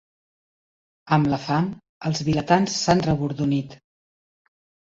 Amb la fam, els vilatans s'han rebordonit.